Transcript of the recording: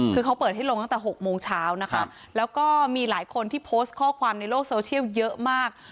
คือเขาเปิดให้ลงตั้งแต่๖โมงเช้านะคะแล้วก็มีหลายคนที่โพสต์ข้อความในโลกโซเชียลเยอะมาก